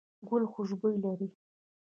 ګل خوشبو لري